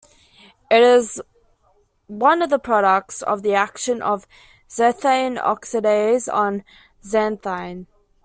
It is one of the products of the action of xanthine oxidase on xanthine.